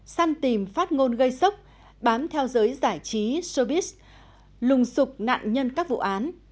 săn tìm phát ngôn gây sốc bám theo giới giải trí showbiz lùng sục nạn nhân các vụ án